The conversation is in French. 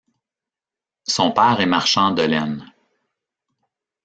Son père est marchand de laine.